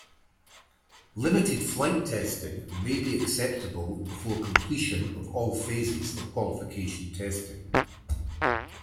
Limited flight testing may be acceptable before completion of all phases of Qualification Testing.